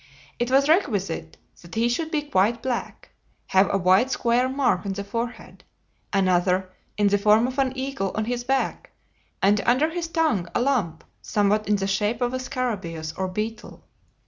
It was requisite that he should be quite black, have a white square mark on the forehead, another, in the form of an eagle, on his back, and under his tongue a lump somewhat in the shape of a scarabaeus or beetle.